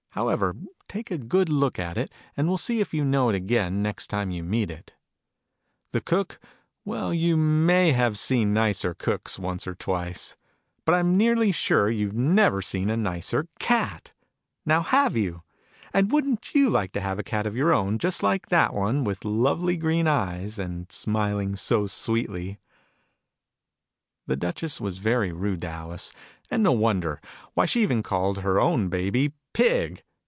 However, take a good look at it, and we'll see if you know it again, next time you meet it ! The Cook well, you may have seen nicer cooks, once or twice. But I m nearly sure you've never seen a nicer Cat! Now have you? And wouldn't you like to have a Cat of your own, just like that one, with lovely green eyes, and smiling so sweetly ? Digitized by Google THE PIG BABY. 3 1 The Duchess was very rude to Alice. And no wonder. Why, she even called her own Baby "Pig!"